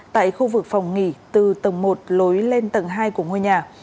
tại khu vực phòng nghỉ từ tầng một lối lên tầng hai của ngôi nhà